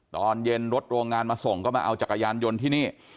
ตอนเย็นรถโรงงานมาส่งก็มาเอาจักรยานยนต์ที่นี่